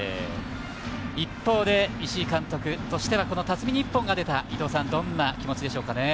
一方、石井監督としては辰己に一本が出た、伊東さんどんな気持ちでしょうかね。